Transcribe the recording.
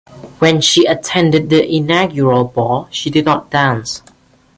When she attended the Inaugural Ball, she did not dance.